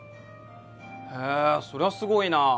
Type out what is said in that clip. へえそりゃすごいな。